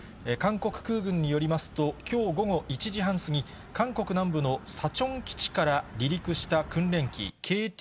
韓国空軍によりますと、きょう午後１時半過ぎ、韓国南部のサチョン基地から離陸した訓練機ＫＴー